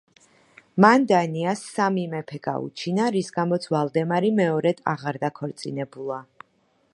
მან დანიას სამი მეფე გაუჩინა, რის გამოც ვალდემარი მეორედ აღარ დაქორწინებულა.